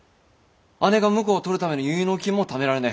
姉が婿を取るための結納金もためられねえ。